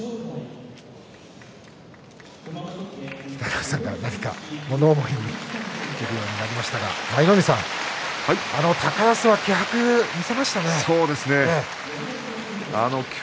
北の富士さんが何か物思いにふけるようになりましたが舞の海さん、高安は気迫を見せましたね。